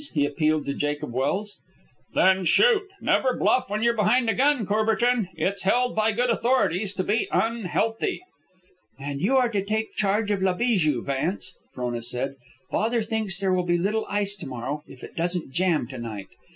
he appealed to Jacob Welse. "Then shoot. Never bluff when you're behind a gun, Courbertin. It's held by good authorities to be unhealthy." "And you are to take charge of La Bijou, Vance," Frona said. "Father thinks there will be little ice to morrow if it doesn't jam to night.